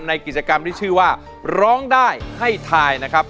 ในกิจกรรมที่ชื่อว่าร้องได้ให้ทายนะครับ